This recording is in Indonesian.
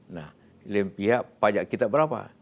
nah pihak pajak kita berapa